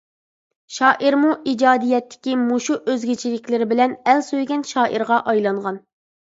شائىرمۇ ئىجادىيەتتىكى مۇشۇ ئۆزگىچىلىكلىرى بىلەن ئەل سۆيگەن شائىرغا ئايلانغان.